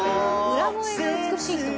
裏声が美しい人が。